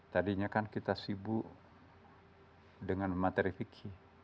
tadinya kan kita sibuk dengan materi fikih